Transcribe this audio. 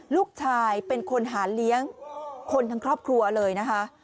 ลูกชายเป็นคนหาเลี้ยงคนทั้งครอบครัวเลยนะคะ